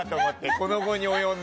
この期に及んで。